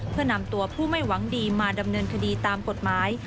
เพื่อนำตัวผู้ไม่หวังดีมาดำเนินคดีตามกฎหมาย